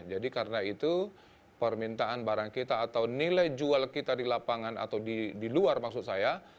jadi karena itu permintaan barang kita atau nilai jual kita di lapangan atau di luar maksud saya